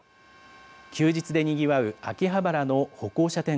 休日でにぎわう秋葉原の歩行者天